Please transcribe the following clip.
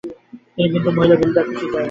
কিন্তু মহিলা বিল দেয়ায় কিছু যায় আসত না।